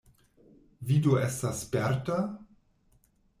Vi do estas sperta?